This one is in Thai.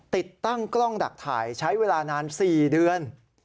ติดตั้งกล้องดักถ่ายใช้เวลานาน๔เดือน